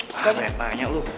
banyak tanya lo